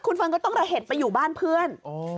เฟิร์นก็ต้องระเห็ดไปอยู่บ้านเพื่อน